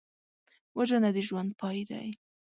وژنه د ژوند پای دی